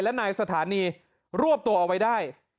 และนายสถานีรวบตัวเอาไว้ได้